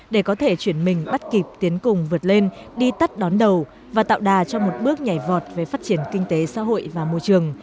để có thể chuyển mình bắt kịp tiến cùng vượt lên đi tắt đón đầu và tạo đà cho một bước nhảy vọt về phát triển kinh tế xã hội và môi trường